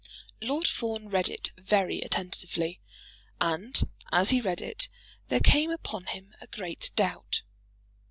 Lord Fawn read it very attentively, and as he read it there came upon him a great doubt.